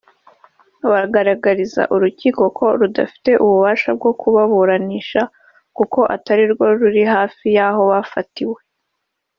bagaragariza urukiko ko rudafite ububasha bwo kubaburanisha kuko atari rwo ruri hafi y’aho bafatiwe